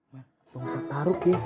masa masa taruk ya